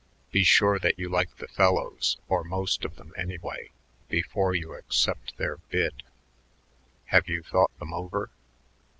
Be sure that you like the fellows, or most of them, anyway, before you accept their bid. Have you thought them over?"